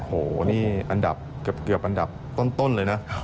โอ้โหนี่อันดับเกือบอันดับต้นเลยนะ